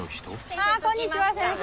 あこんにちは先生。